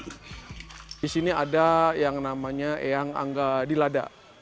di sini ada yang namanya yang angga di lada